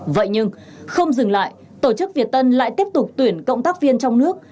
vậy nhưng không dừng lại tổ chức việt tân lại tiếp tục tuyển cộng tác viên trong nước